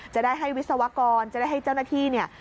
จะได้ให้วิศวกรจะได้ให้เจ้าหน้าที่เนี่ย